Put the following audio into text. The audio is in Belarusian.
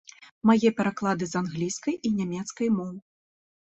Мае пераклады з англійскай і нямецкай моў.